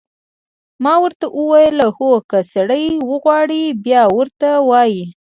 ما ورته وویل: هو، که سړی وغواړي، بیا ورته وایي.